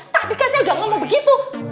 tapi kan saya udah ngomong begitu